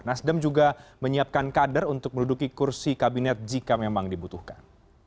nasdem juga menyiapkan kader untuk menduduki kursi kabinet jika memang dibutuhkan